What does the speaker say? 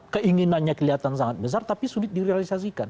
keinginannya kelihatan sangat besar tapi sulit direalisasikan